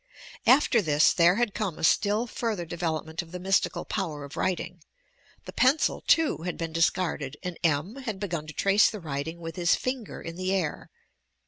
After this, there had come a still 200 YOUR PSYCHIC POWERS L further development of the mystical power of writing; the pencil, too, had been discarded and M. had begun to trace the writing with his finger in the air.